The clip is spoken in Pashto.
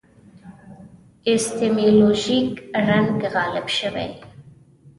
اپیستیمولوژیک رنګ غالب شوی.